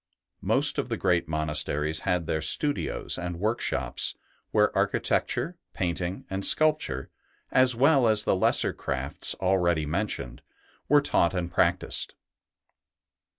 Most of the great monasteries had their studios and workshops, where archi tecture, painting, and sculpture, as well as the lesser crafts already mentioned, were taught and practised.